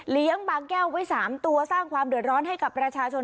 บางแก้วไว้๓ตัวสร้างความเดือดร้อนให้กับประชาชน